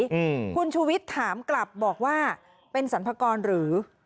อืมคุณชูวิทย์ถามกลับบอกว่าเป็นสรรพากรหรือ